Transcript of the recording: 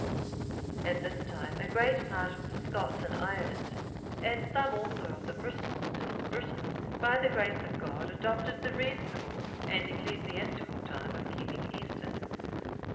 ] At this time a great part of the Scots in Ireland,(852) and some also of the Britons in Britain,(853) by the grace of God, adopted the reasonable and ecclesiastical time of keeping Easter.